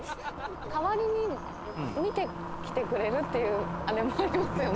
代わりに見てきてくれるっていうあれもありますよね？